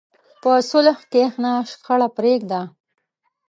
په صلح کښېنه، شخړه پرېږده.